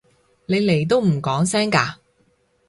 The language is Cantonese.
你嚟都唔講聲嘅？